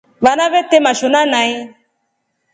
Vana vete mashoma nai.